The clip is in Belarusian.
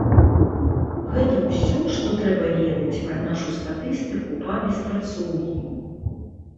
Гэта ўсё, што трэба ведаць пра нашу статыстыку па беспрацоўі.